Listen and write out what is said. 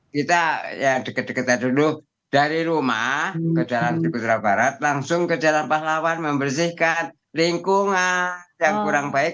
kita ya deket deketan dulu dari rumah ke jalan di beberapa barat langsung ke jalan pahlawan membersihkan lingkungan yang kurang baik